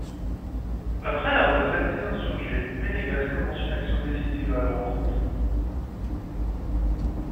Après la retraite des insurgés, Venegas commence une action décisive à leur encontre.